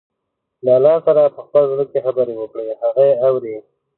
له الله سره په خپل زړه کې خبرې وکړئ، هغه يې اوري.